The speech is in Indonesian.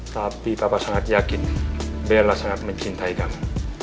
tapi papa sangat yakin bella sangat mencintai kami